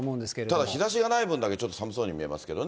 ただ、日ざしがない分だけちょっと寒そうに見えますけどね。